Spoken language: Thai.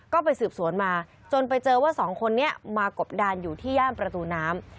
ก็ไปสืบสวนมาจนไปเจอว่าสองคนนี้มากบดานอยู่ที่ย่านประตูน้ำ